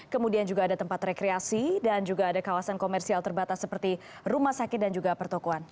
kemudian juga ada tempat rekreasi dan juga ada kawasan komersial terbatas seperti rumah sakit dan juga pertokohan